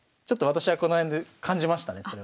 ちょっと私はこの辺で感じましたね